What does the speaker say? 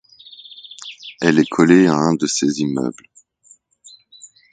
Elle est collée à un de ses immeubles.